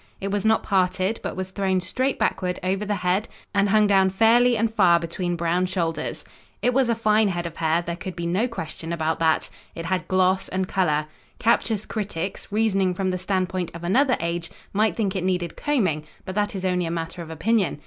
It was not parted but was thrown straight backward over the head and hung down fairly and far between brown shoulders. It was a fine head of hair; there could be no question about that. It had gloss and color. Captious critics, reasoning from the standpoint of another age, might think it needed combing, but that is only a matter of opinion.